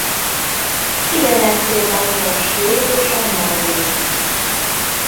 Ilyenek például a svéd és a norvég.